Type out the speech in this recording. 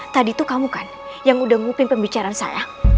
tadi itu kamu kan yang udah nguping pembicaraan saya